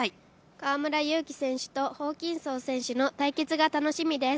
河村勇輝選手とホーキンソン選手の対決が楽しみです。